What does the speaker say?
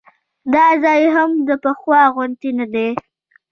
دا ځای هم د پخوا غوندې نه دی.